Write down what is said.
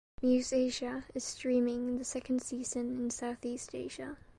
Muse Asia is streaming the second season in Southeast Asia.